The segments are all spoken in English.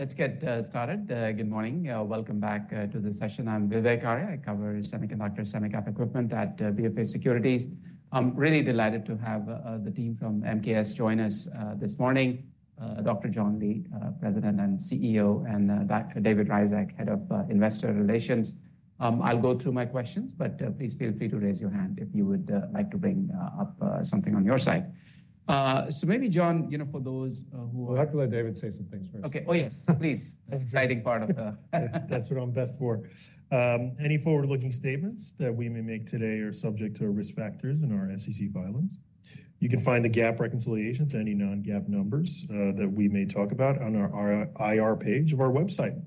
Let's get started. Good morning. Welcome back to the session. I'm Vivek Arya. I cover semiconductor, semiconductor equipment at BofA Securities. I'm really delighted to have the team from MKS join us this morning: Dr. John Lee, President and CEO, and David Ryzhik, Head of Investor Relations. I'll go through my questions, but please feel free to raise your hand if you would like to bring up something on your side. So maybe, John, you know, for those who are. I'd like to let David say some things first. Okay. Oh, yes, please. Exciting part of the. That's what I'm best for. Any forward-looking statements that we may make today are subject to risk factors in our SEC filings. You can find the GAAP reconciliations, any non-GAAP numbers that we may talk about on our IR page of our website.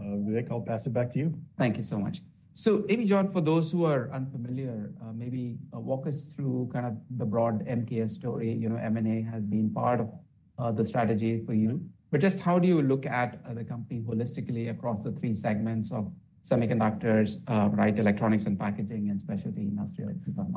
Vivek, I'll pass it back to you. Thank you so much. So maybe, John, for those who are unfamiliar, maybe walk us through kind of the broad MKS story. You know, M&A has been part of the strategy for you, but just how do you look at the company holistically across the three segments of semiconductors, right? Electronics and packaging, and especially industrial.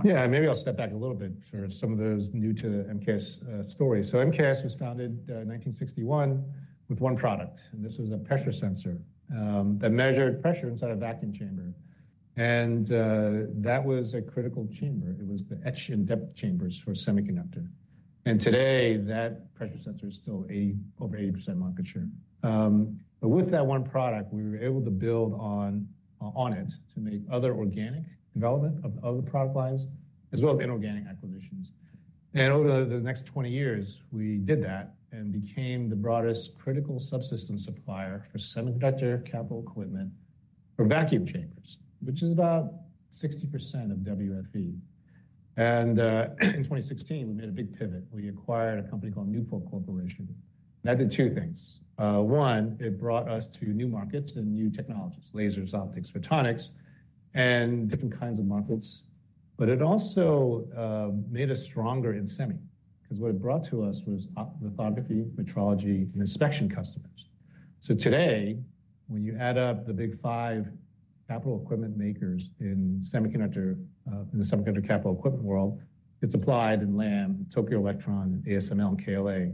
Yeah, maybe I'll step back a little bit for some of those new to MKS stories. So MKS was founded in 1961 with one product, and this was a pressure sensor that measured pressure inside a vacuum chamber. That was a critical chamber. It was the etch and dep chambers for semiconductor. Today, that pressure sensor is still over 80% market share. But with that one product, we were able to build on it to make other organic development of other product lines, as well as inorganic acquisitions. Over the next 20 years, we did that and became the broadest critical subsystem supplier for semiconductor capital equipment for vacuum chambers, which is about 60% of WFE. In 2016, we made a big pivot. We acquired a company called Newport Corporation. That did two things. One, it brought us to new markets and new technologies: lasers, optics, photonics, and different kinds of markets. But it also made us stronger in semi because what it brought to us was lithography, metrology, and inspection customers. So today, when you add up the big five capital equipment makers in semiconductor, in the semiconductor capital equipment world, it's Applied and Lam, Tokyo Electron, ASML, and KLA.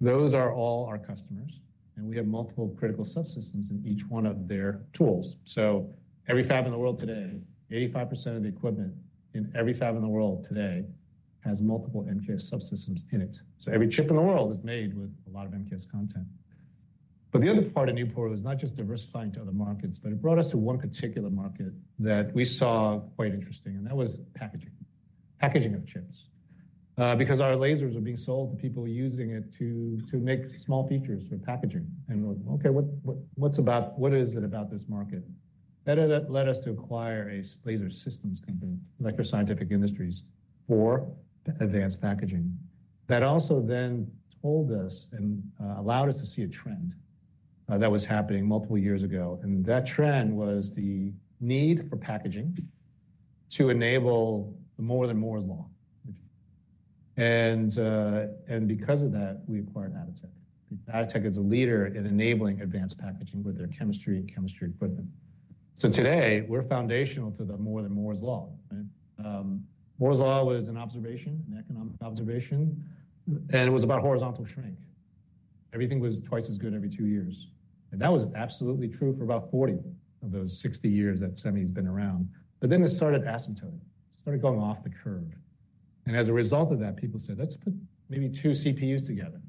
Those are all our customers, and we have multiple critical subsystems in each one of their tools. So every fab in the world today, 85% of the equipment in every fab in the world today has multiple MKS subsystems in it. So every chip in the world is made with a lot of MKS content. But the other part of Newport was not just diversifying to other markets, but it brought us to one particular market that we saw quite interesting, and that was packaging, packaging of chips, because our lasers are being sold to people using it to make small features for packaging. And we're like, okay, what's about, what is it about this market? That led us to acquire a laser systems company, Electro Scientific Industries, for advanced packaging. That also then told us and allowed us to see a trend that was happening multiple years ago. And that trend was the need for packaging to enable the more-than-Moore's law. And because of that, we acquired Atotech. Atotech is a leader in enabling advanced packaging with their chemistry and chemistry equipment. So today, we're foundational to the more-than-Moore's law. Moore's law was an observation, an economic observation, and it was about horizontal shrink. Everything was twice as good every two years. That was absolutely true for about 40 of those 60 years that semis been around. But then it started asymptotic, started going off the curve. As a result of that, people said, let's put maybe two CPUs together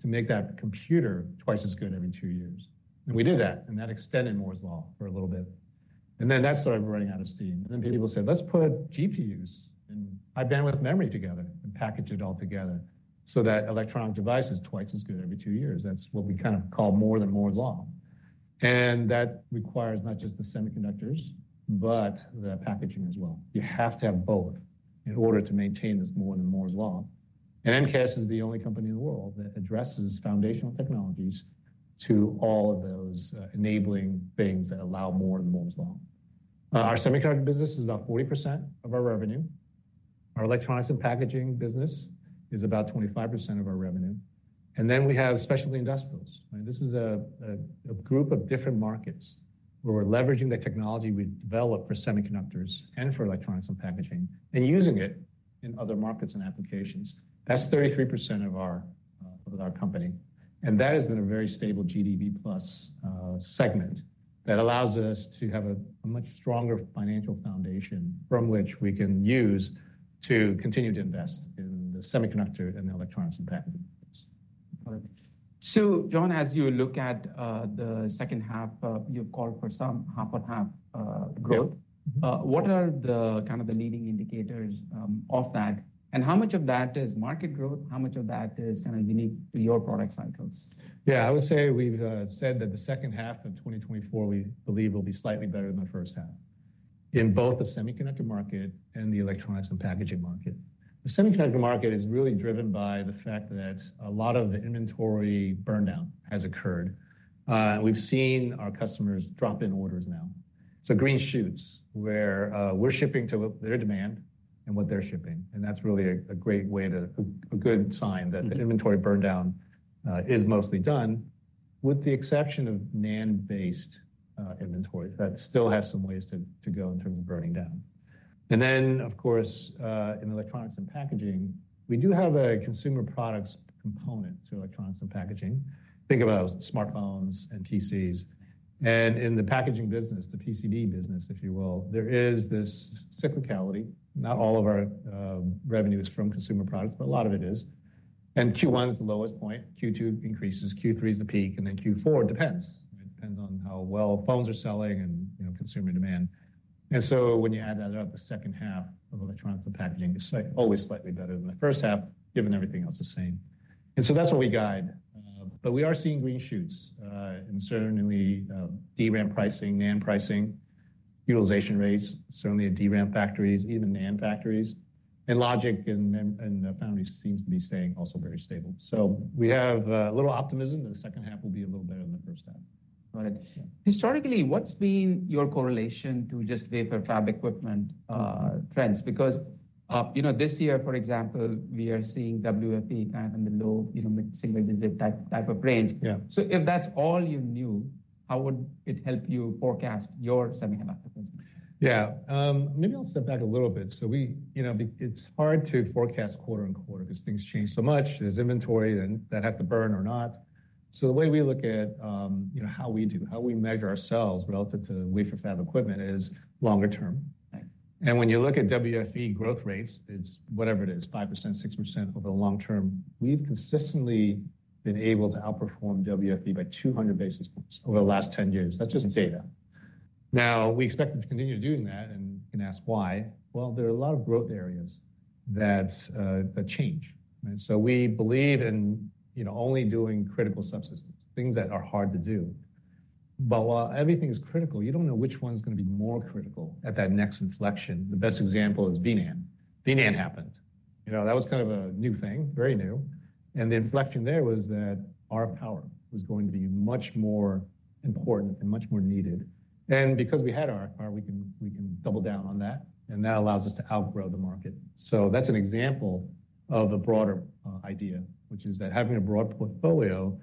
to make that computer twice as good every two years. We did that, and that extended Moore's law for a little bit. Then that started running out of steam. People said, let's put GPUs and high bandwidth memory together and package it all together so that electronic device is twice as good every two years. That's what we kind of call more-than-Moore's law. That requires not just the semiconductors, but the packaging as well. You have to have both in order to maintain this more-than-Moore's law. MKS is the only company in the world that addresses foundational technologies to all of those enabling things that allow More-than-Moore's Law. Our semiconductor business is about 40% of our revenue. Our electronics and packaging business is about 25% of our revenue. Then we have specialty industrials. This is a group of different markets where we're leveraging the technology we developed for semiconductors and for electronics and packaging and using it in other markets and applications. That's 33% of our company. That has been a very stable GDV plus segment that allows us to have a much stronger financial foundation from which we can use to continue to invest in the semiconductor and the electronics and packaging. So John, as you look at the second half, you've called for some half-and-half growth. What are the kind of leading indicators of that? And how much of that is market growth? How much of that is kind of unique to your product cycles? Yeah, I would say we've said that the second half of 2024, we believe will be slightly better than the first half in both the semiconductor market and the electronics and packaging market. The semiconductor market is really driven by the fact that a lot of the inventory burndown has occurred. We've seen our customers drop in orders now. So green shoots where we're shipping to their demand and what they're shipping. And that's really a great way to, a good sign that the inventory burndown is mostly done, with the exception of NAND-based inventory that still has some ways to go in terms of burning down. And then, of course, in electronics and packaging, we do have a consumer products component to electronics and packaging. Think about smartphones and PCs. And in the packaging business, the PCB business, if you will, there is this cyclicality. Not all of our revenue is from consumer products, but a lot of it is. Q1 is the lowest point. Q2 increases. Q3 is the peak. Q4 depends. It depends on how well phones are selling and consumer demand. When you add that up, the second half of electronics and packaging is always slightly better than the first half, given everything else is the same. That's what we guide. We are seeing green shoots and certainly DRAM pricing, NAND pricing, utilization rates, certainly at DRAM factories, even NAND factories. Logic and foundry seems to be staying also very stable. We have a little optimism that the second half will be a little better than the first half. Got it. Historically, what's been your correlation to just wafer fab equipment trends? Because, you know, this year, for example, we are seeing WFE kind of in the low single-digit type of range. So if that's all you knew, how would it help you forecast your semiconductor business? Yeah, maybe I'll step back a little bit. So we, you know, it's hard to forecast quarter-over-quarter because things change so much. There's inventory that have to burn or not. So the way we look at how we do, how we measure ourselves relative to wafer fab equipment is longer term. And when you look at WFE growth rates, it's whatever it is, 5%, 6% over the long term. We've consistently been able to outperform WFE by 200 basis points over the last 10 years. That's just data. Now, we expect to continue doing that. And you can ask why. Well, there are a lot of growth areas that change. So we believe in only doing critical subsystems, things that are hard to do. But while everything is critical, you don't know which one's going to be more critical at that next inflection. The best example is NAND. BNAN happened. You know, that was kind of a new thing, very new. The inflection there was that our power was going to be much more important and much more needed. Because we had our power, we can double down on that. That allows us to outgrow the market. So that's an example of a broader idea, which is that having a broad portfolio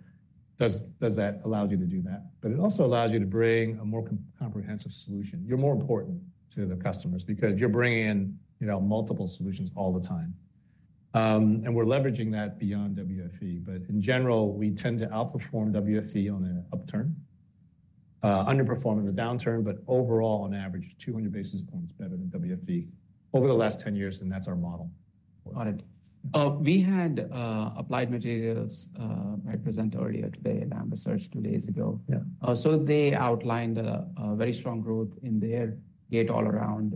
does that allow you to do that. But it also allows you to bring a more comprehensive solution. You're more important to the customers because you're bringing in multiple solutions all the time. We're leveraging that beyond WFE. But in general, we tend to outperform WFE on an upturn, underperform in the downturn, but overall, on average, 200 basis points better than WFE over the last 10 years. That's our model. Got it. We had Applied Materials present earlier today, Lam Research two days ago. So they outlined a very strong growth in their gate all-around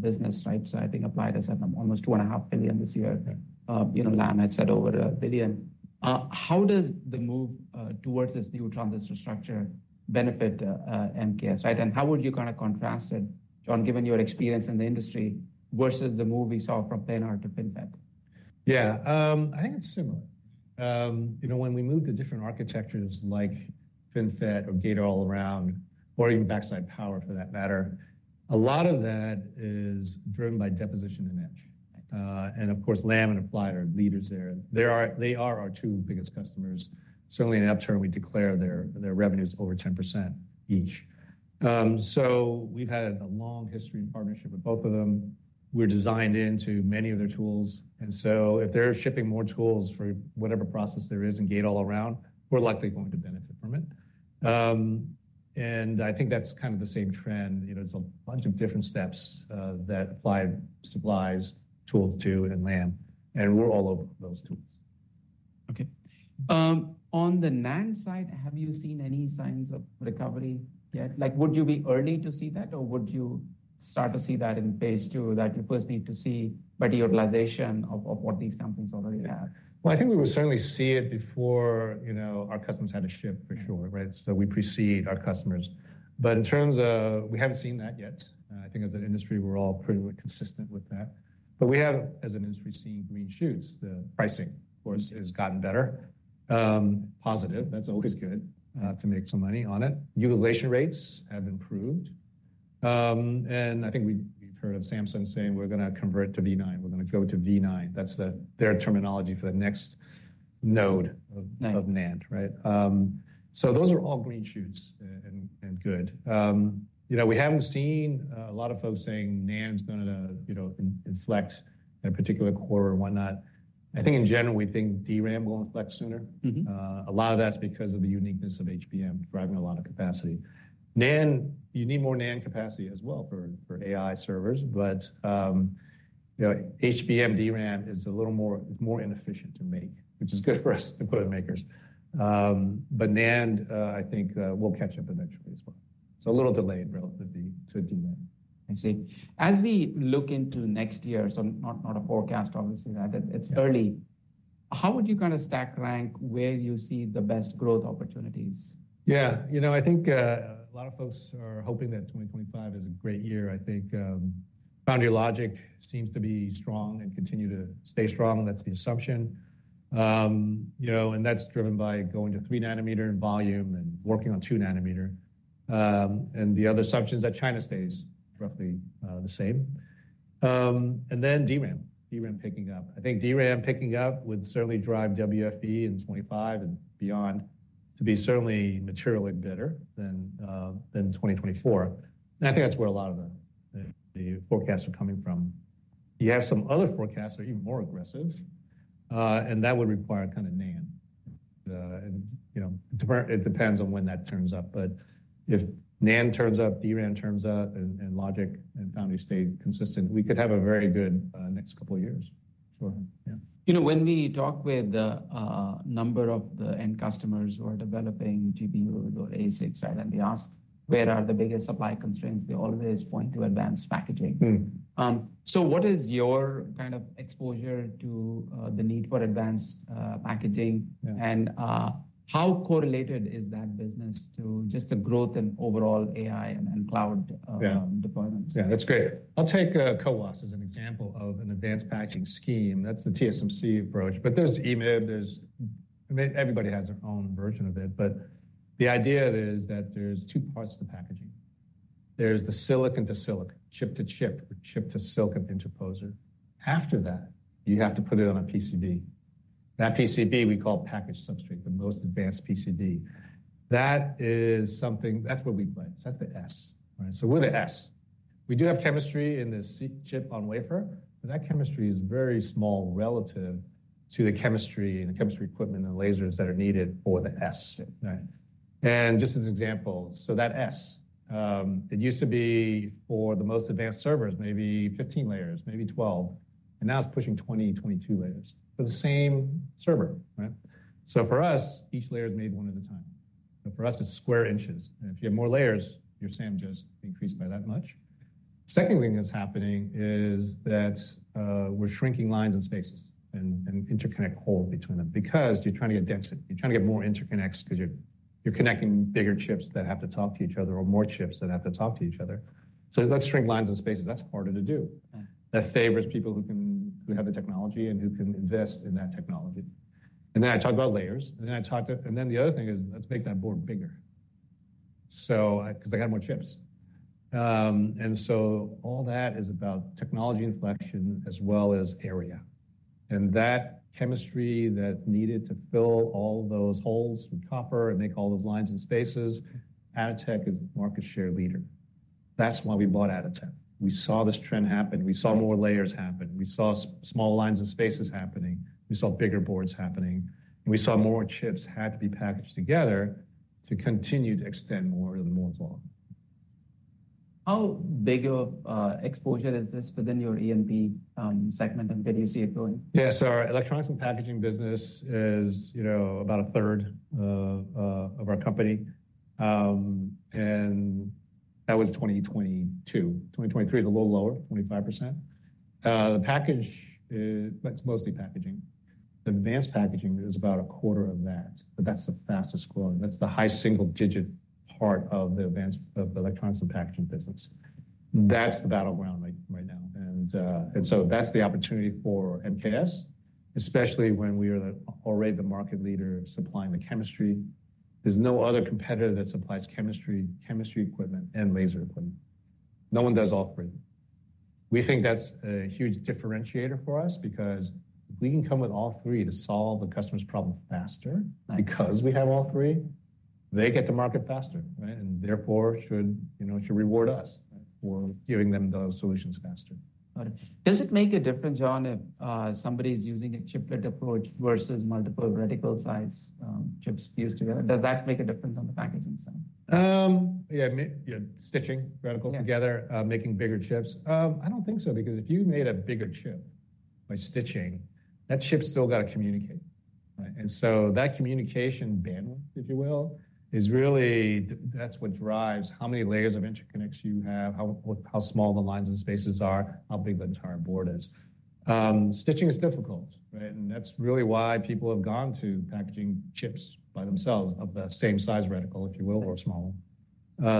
business, right? So I think Applied has had almost $2.5 billion this year. Lam had said over $1 billion. How does the move towards this new transistor structure benefit MKS, right? And how would you kind of contrast it, John, given your experience in the industry versus the move we saw from planar to FinFET? Yeah, I think it's similar. You know, when we moved to different architectures like FinFET or gate-all-around or even backside power for that matter, a lot of that is driven by deposition and etch. And of course, Lam and Applied are leaders there. They are our two biggest customers. Certainly in upturn, we derive their revenues over 10% each. So we've had a long history in partnership with both of them. We're designed into many of their tools. And so if they're shipping more tools for whatever process there is in gate-all-around, we're likely going to benefit from it. And I think that's kind of the same trend. There's a bunch of different steps that Applied supplies tools to and Lam. And we're all over those tools. Okay. On the NAND side, have you seen any signs of recovery yet? Like, would you be early to see that, or would you start to see that in phase two that you first need to see better utilization of what these companies already have? Well, I think we would certainly see it before our customers had to ship for sure, right? So we precede our customers. But in terms of, we haven't seen that yet. I think as an industry, we're all pretty consistent with that. But we have, as an industry, seen green shoots. The pricing, of course, has gotten better, positive. That's always good to make some money on it. Utilization rates have improved. And I think we've heard of Samsung saying, "We're going to convert to V9. We're going to go to V9." That's their terminology for the next node of NAND, right? So those are all green shoots and good. You know, we haven't seen a lot of folks saying NAND is going to inflect in a particular quarter or whatnot. I think in general, we think DRAM will inflect sooner. A lot of that's because of the uniqueness of HBM driving a lot of capacity. You need more NAND capacity as well for AI servers. But HBM DRAM is a little more inefficient to make, which is good for us equipment makers. But NAND, I think we'll catch up eventually as well. It's a little delayed relative to DRAM. I see. As we look into next year, so not a forecast, obviously, it's early. How would you kind of stack rank where you see the best growth opportunities? Yeah, you know, I think a lot of folks are hoping that 2025 is a great year. I think Foundry Logic seems to be strong and continue to stay strong. That's the assumption. And that's driven by going to three nanometer in volume and working on two nanometer. And the other assumption is that China stays roughly the same. And then DRAM, DRAM picking up. I think DRAM picking up would certainly drive WFE in 2025 and beyond to be certainly materially better than 2024. And I think that's where a lot of the forecasts are coming from. You have some other forecasts that are even more aggressive. And that would require kind of NAND. And it depends on when that turns up. But if NAND turns up, DRAM turns up, and Logic and Foundry stay consistent, we could have a very good next couple of years. You know, when we talk with a number of the end customers who are developing GPUs or ASICs, and they ask, "Where are the biggest supply constraints?" They always point to advanced packaging. So what is your kind of exposure to the need for advanced packaging? And how correlated is that business to just the growth in overall AI and cloud deployments? Yeah, that's great. I'll take CoWoS as an example of an advanced packaging scheme. That's the TSMC approach. But there's EMIB. Everybody has their own version of it. But the idea is that there's two parts to packaging. There's the silicon to silicon, chip to chip, chip to silicon interposer. After that, you have to put it on a PCB. That PCB we call package substrate, the most advanced PCB. That is something, that's where we play. That's the S. So we're the S. We do have chemistry in the chip on wafer. But that chemistry is very small relative to the chemistry and the chemistry equipment and lasers that are needed for the S. And just as an example, so that S, it used to be for the most advanced servers, maybe 15 layers, maybe 12. And now it's pushing 20, 22 layers for the same server. So for us, each layer is made one at a time. For us, it's square inches. And if you have more layers, your SAM just increased by that much. The second thing that's happening is that we're shrinking lines and spaces and interconnect holes between them because you're trying to get density. You're trying to get more interconnects because you're connecting bigger chips that have to talk to each other or more chips that have to talk to each other. So let's shrink lines and spaces. That's harder to do. That favors people who have the technology and who can invest in that technology. And then I talked about layers. And then the other thing is let's make that board bigger because I got more chips. And so all that is about technology inflection as well as area. And that chemistry that's needed to fill all those holes with copper and make all those lines and spaces, Atotech is market share leader. That's why we bought Atotech. We saw this trend happen. We saw more layers happen. We saw small lines and spaces happening. We saw bigger boards happening. And we saw more chips had to be packaged together to continue to extend Moore's Law. How big of exposure is this within your E&P segment? Where do you see it going? Yeah, so our electronics and packaging business is about a third of our company. That was 2022. 2023 is a little lower, 25%. The package, that's mostly packaging. The advanced packaging is about a quarter of that. That's the fastest growing. That's the high single-digit part of the electronics and packaging business. That's the battleground right now. So that's the opportunity for MKS, especially when we are already the market leader supplying the chemistry. There's no other competitor that supplies chemistry, chemistry equipment, and laser equipment. No one does all three. We think that's a huge differentiator for us because if we can come with all three to solve a customer's problem faster because we have all three, they get to market faster. Therefore, should reward us for giving them those solutions faster. Got it. Does it make a difference, John, if somebody's using a chiplet approach versus multiple reticle size chips fused together? Does that make a difference on the packaging side? Yeah, stitching reticles together, making bigger chips. I don't think so because if you made a bigger chip by stitching, that chip still got to communicate. And so that communication bandwidth, if you will, is really that's what drives how many layers of interconnects you have, how small the lines and spaces are, how big the entire board is. Stitching is difficult. And that's really why people have gone to packaging chips by themselves of the same size reticle, if you will, or small.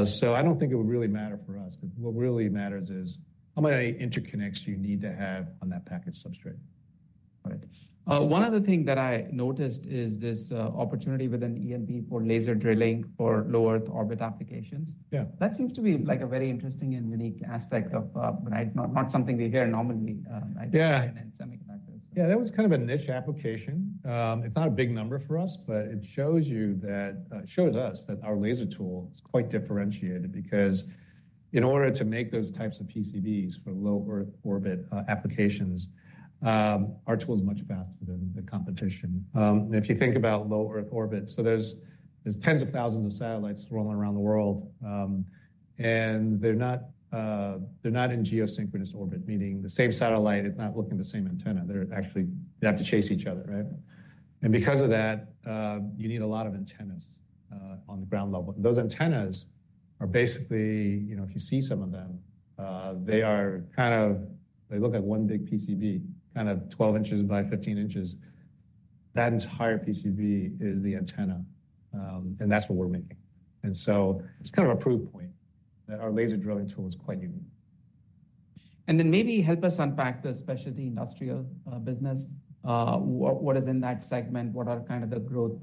So I don't think it would really matter for us. What really matters is how many interconnects you need to have on that package substrate. One other thing that I noticed is this opportunity within E&P for laser drilling for low earth orbit applications. Yeah, that seems to be like a very interesting and unique aspect of, right, not something we hear normally in semiconductors. Yeah, that was kind of a niche application. It's not a big number for us, but it shows you that, shows us that our laser tool is quite differentiated because in order to make those types of PCBs for low earth orbit applications, our tool is much faster than the competition. And if you think about low earth orbit, so there's tens of thousands of satellites rolling around the world. And they're not in geosynchronous orbit, meaning the same satellite is not looking at the same antenna. They're actually, they have to chase each other, right? And because of that, you need a lot of antennas on the ground level. Those antennas are basically, you know, if you see some of them, they are kind of, they look like one big PCB, kind of 12 inches by 15 inches. That entire PCB is the antenna. And that's what we're making. It's kind of a proof point that our laser drilling tool is quite unique. Maybe help us unpack the specialty industrial business. What is in that segment? What are kind of the growth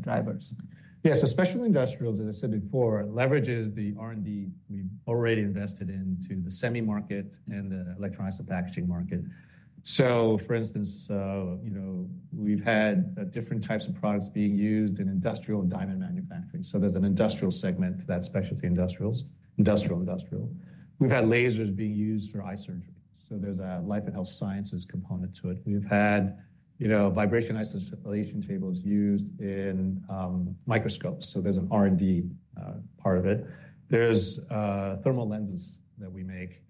drivers? Yeah, so specialty industrials, as I said before, leverages the R&D we've already invested into the semi market and the electronics and packaging market. So for instance, we've had different types of products being used in industrial and diamond manufacturing. So there's an industrial segment to that specialty industrials. Industrial. We've had lasers being used for eye surgery. So there's a life and health sciences component to it. We've had vibration isolation tables used in microscopes. So there's an R&D part of it. There's thermal lenses that we make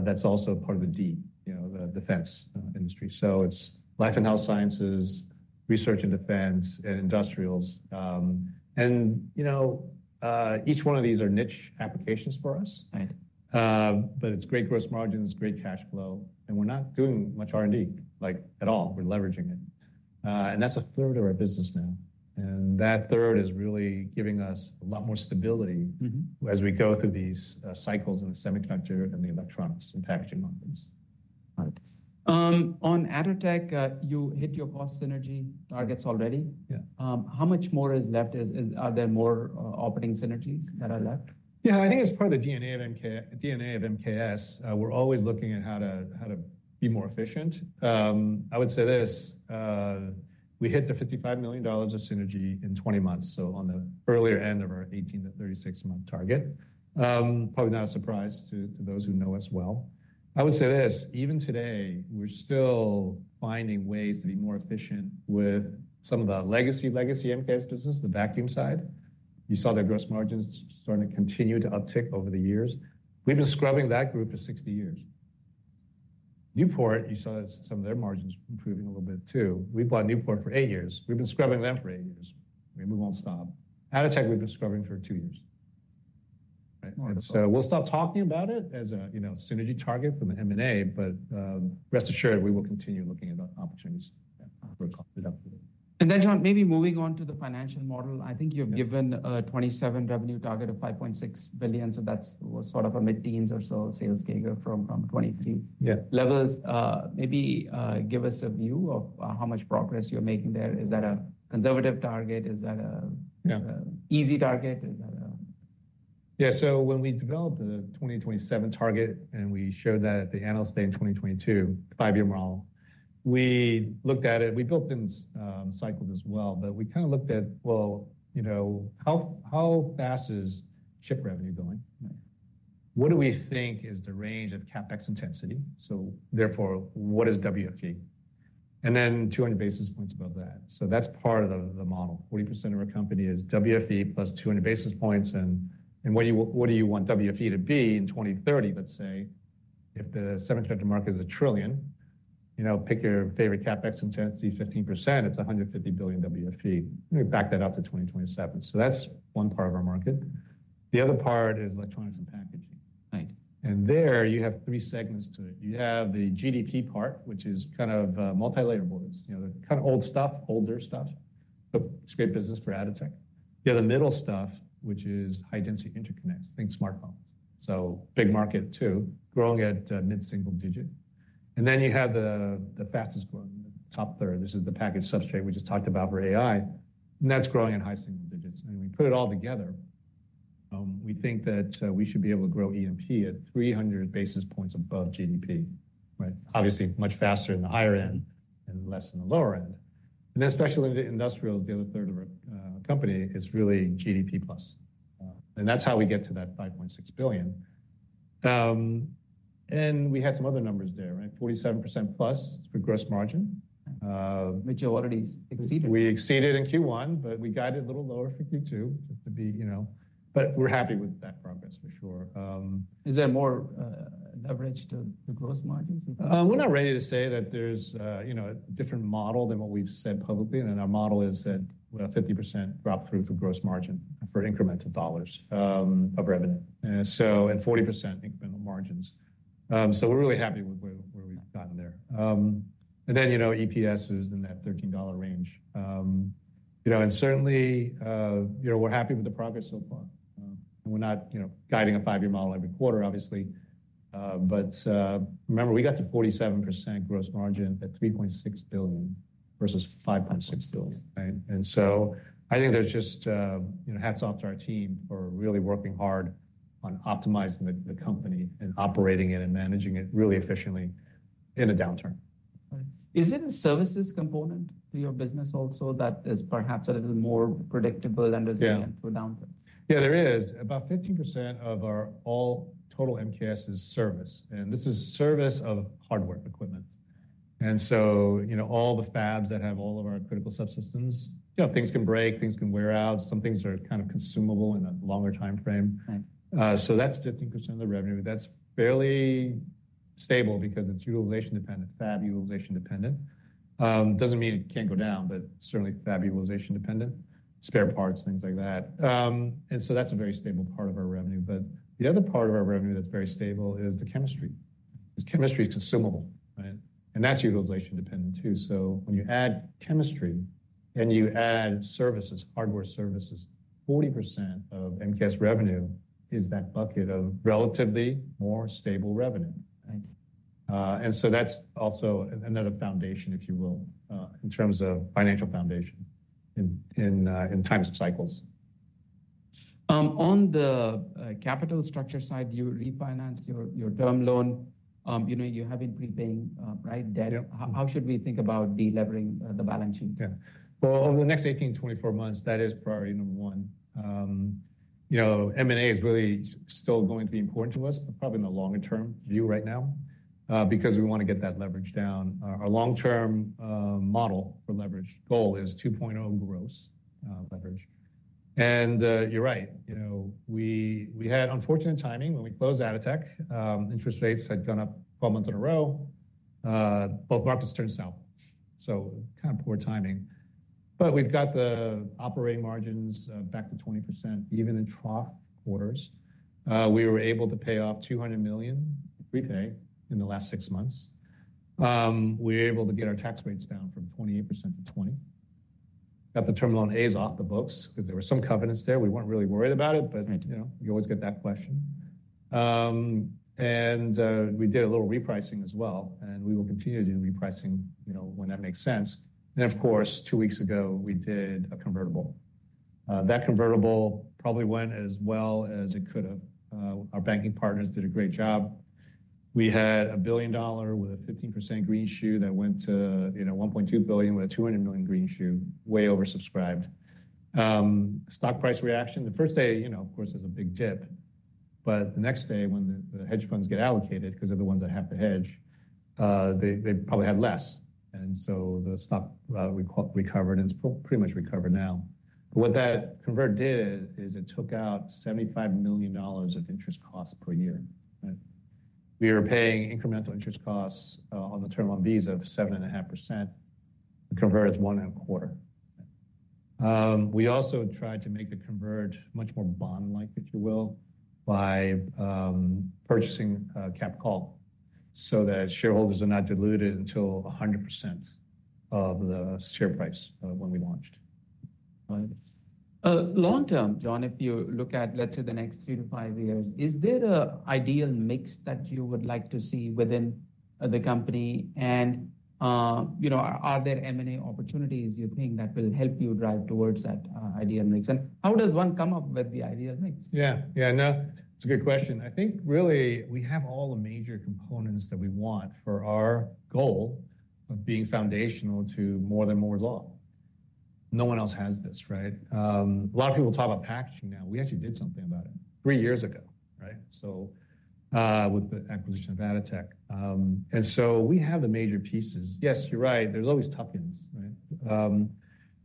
that's also part of the D, the defense industry. So it's life and health sciences, research and defense, and industrials. And each one of these are niche applications for us. But it's great gross margins, great cash flow. And we're not doing much R&D at all. We're leveraging it. And that's a third of our business now. That third is really giving us a lot more stability as we go through these cycles in the semiconductor and the electronics and packaging markets. On Atotech, you hit your cost synergy targets already. How much more is left? Are there more operating synergies that are left? Yeah, I think it's part of the DNA of MKS. We're always looking at how to be more efficient. I would say this. We hit the $55 million of synergy in 20 months. So on the earlier end of our 18-36 month target. Probably not a surprise to those who know us well. I would say this. Even today, we're still finding ways to be more efficient with some of the legacy, legacy MKS business, the vacuum side. You saw their gross margins starting to continue to uptick over the years. We've been scrubbing that group for 60 years. Newport, you saw some of their margins improving a little bit too. We've bought Newport for eight years. We've been scrubbing them for eight years. We won't stop. Atotech, we've been scrubbing for two years. So we'll stop talking about it as a synergy target from the M&A. But rest assured, we will continue looking at opportunities. Then, John, maybe moving on to the financial model. I think you've given a 2027 revenue target of $5.6 billion. So that's sort of a mid-teens or so sales figure from 2023 levels. Maybe give us a view of how much progress you're making there. Is that a conservative target? Is that an easy target? Yeah, so when we developed the 2027 target and we showed that at the analyst day in 2022, five-year model, we looked at it. We built in cycles as well. But we kind of looked at, well, you know, how fast is chip revenue going? What do we think is the range of CapEx intensity? So therefore, what is WFE? And then 200 basis points above that. So that's part of the model. 40% of our company is WFE plus 200 basis points. And what do you want WFE to be in 2030, let's say, if the semiconductor market is $1 trillion, you know, pick your favorite CapEx intensity, 15%, it's $150 billion WFE. We back that out to 2027. So that's one part of our market. The other part is electronics and packaging. And there you have three segments to it. You have the GDP part, which is kind of multilayer boards. You know, the kind of old stuff, older stuff. It's great business for Atotech. You have the middle stuff, which is high-density interconnects, think smartphones. So big market too, growing at mid-single digit. And then you have the fastest growing, the top third. This is the package substrate we just talked about for AI. And that's growing in high single digits. And when we put it all together, we think that we should be able to grow E&P at 300 basis points above GDP, right? Obviously, much faster in the higher end and less in the lower end. And then specialty industrials, the other third of our company, is really GDP plus. And that's how we get to that $5.6 billion. And we had some other numbers there, right? 47% plus for gross margin. Majority exceeded. We exceeded in Q1, but we guided a little lower for Q2 to be, you know, but we're happy with that progress for sure. Is there more leverage to the gross margins? We're not ready to say that there's a different model than what we've said publicly. Our model is that we have a 50% drop through to gross margin for incremental dollars of revenue. And 40% incremental margins. So we're really happy with where we've gotten there. And then, you know, EPS is in that $13 range. You know, and certainly, you know, we're happy with the progress so far. And we're not guiding a five-year model every quarter, obviously. But remember, we got to 47% gross margin at $3.6 billion versus $5.6 billion. And so I think there's just, you know, hats off to our team for really working hard on optimizing the company and operating it and managing it really efficiently in a downturn. Is it a services component to your business also that is perhaps a little more predictable and resilient to a downturn? Yeah, there is. About 15% of our overall total MKS is service. And this is service of hardware equipment. And so, you know, all the fabs that have all of our critical subsystems, you know, things can break, things can wear out. Some things are kind of consumable in a longer time frame. So that's 15% of the revenue. That's fairly stable because it's utilization dependent, fab utilization dependent. Doesn't mean it can't go down, but certainly fab utilization dependent, spare parts, things like that. And so that's a very stable part of our revenue. But the other part of our revenue that's very stable is the chemistry. Chemistry is consumable, right? And that's utilization dependent too. So when you add chemistry and you add services, hardware services, 40% of MKS revenue is that bucket of relatively more stable revenue. That's also another foundation, if you will, in terms of financial foundation in times cycles. On the capital structure side, you refinance your term loan. You know, you have been prepaying debt. How should we think about delevering the balance sheet? Yeah. Well, over the next 18-24 months, that is priority number one. You know, M&A is really still going to be important to us, but probably in the longer term view right now because we want to get that leverage down. Our long-term model for leverage goal is 2.0 gross leverage. And you're right. You know, we had unfortunate timing when we closed Atotech. Interest rates had gone up 12 months in a row. Both markets turned south. So kind of poor timing. But we've got the operating margins back to 20% even in trough quarters. We were able to pay off $200 million prepay in the last six months. We were able to get our tax rates down from 28% to 20%. Got the term loan A's off the books because there were some covenants there. We weren't really worried about it, but you know, you always get that question. And we did a little repricing as well. And we will continue to do repricing when that makes sense. And of course, two weeks ago, we did a convertible. That convertible probably went as well as it could have. Our banking partners did a great job. We had a $1 billion with a 15% green shoe that went to $1.2 billion with a $200 million green shoe, way oversubscribed. Stock price reaction, the first day, you know, of course, there's a big dip. But the next day, when the hedge funds get allocated, because they're the ones that have to hedge, they probably had less. And so the stock recovered and it's pretty much recovered now. But what that convert did is it took out $75 million of interest costs per year. We were paying incremental interest costs on the term loan B of 7.5%. The convert is 1.25%. We also tried to make the convert much more bond-like, if you will, by purchasing capped calls so that shareholders are not diluted until 100% of the share price when we launched. Long term, John, if you look at, let's say, the next three to five years, is there an ideal mix that you would like to see within the company? And you know, are there M&A opportunities you think that will help you drive towards that ideal mix? And how does one come up with the ideal mix? Yeah, yeah, no, it's a good question. I think really we have all the major components that we want for our goal of being foundational to More-than-Moore's Law. No one else has this, right? A lot of people talk about packaging now. We actually did something about it three years ago, right? So with the acquisition of Atotech. And so we have the major pieces. Yes, you're right. There's always tuck-ins, right?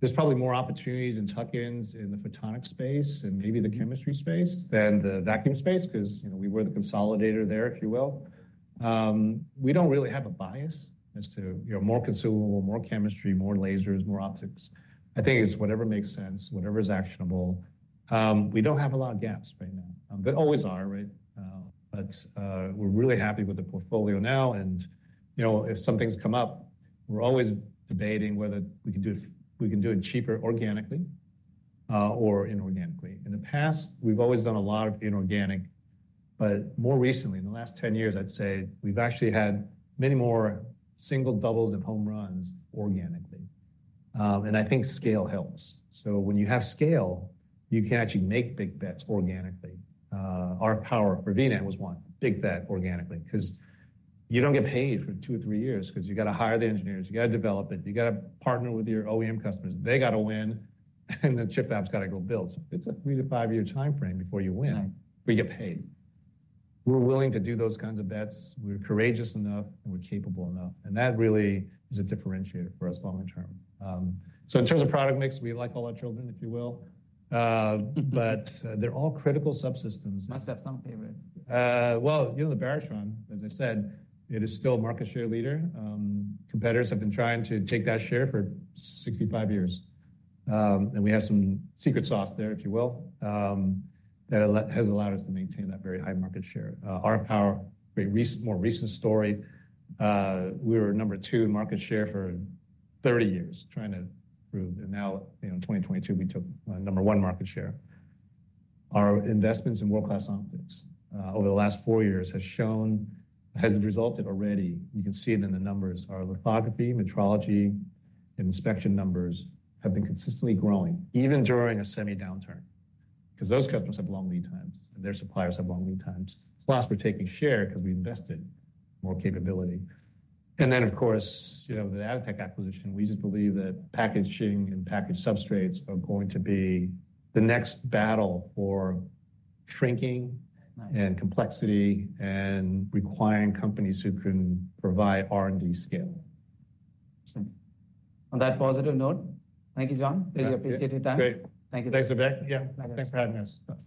There's probably more opportunities in tuck-ins in the photonic space and maybe the chemistry space than the vacuum space because, you know, we were the consolidator there, if you will. We don't really have a bias as to, you know, more consumable, more chemistry, more lasers, more optics. I think it's whatever makes sense, whatever is actionable. We don't have a lot of gaps right now. There always are, right? But we're really happy with the portfolio now. And you know, if something's come up, we're always debating whether we can do it cheaper organically or inorganically. In the past, we've always done a lot of inorganic. But more recently, in the last 10 years, I'd say we've actually had many more single doubles and home runs organically. And I think scale helps. So when you have scale, you can actually make big bets organically. Our power for VNET was one, big bet organically. Because you don't get paid for two or three years because you got to hire the engineers, you got to develop it, you got to partner with your OEM customers, they got to win, and the chip fab's got to go build. So it's a three to five year time frame before you win, but you get paid. We're willing to do those kinds of bets. We're courageous enough and we're capable enough. And that really is a differentiator for us longer term. So in terms of product mix, we like all our children, if you will. But they're all critical subsystems. Must have some favorites. Well, you know the Baratron, as I said, it is still a market share leader. Competitors have been trying to take that share for 65 years. And we have some secret sauce there, if you will, that has allowed us to maintain that very high market share. Our power, more recent story, we were number two in market share for 30 years trying to prove. And now, you know, in 2022, we took number one market share. Our investments in world-class optics over the last four years has shown, has resulted already, you can see it in the numbers, our lithography, metrology, and inspection numbers have been consistently growing even during a semi-downturn. Because those customers have long lead times and their suppliers have long lead times. Plus we're taking share because we invested more capability. And then, of course, you know, the Atotech acquisition, we just believe that packaging and package substrates are going to be the next battle for shrinking and complexity and requiring companies who can provide R&D scale. On that positive note, thank you, John. Really appreciate your time. Great. Thanks for backing us.